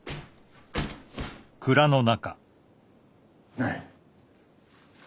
ない。